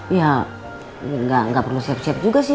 ya nggak perlu siap siap juga sih